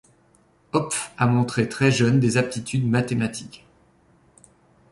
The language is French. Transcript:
Hopf a montré très jeune des aptitudes mathématiques.